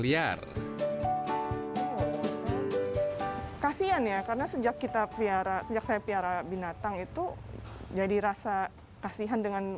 liar kasian ya karena sejak kita piara sejak saya piara binatang itu jadi rasa kasihan dengan